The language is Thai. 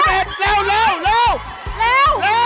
เร็ว